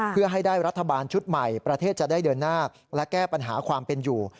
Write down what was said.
เพื่อให้ได้รัฐบาลชุดใหม่ประเทศจะได้เดินหน้าและแก้ปัญหาความเป็นอยู่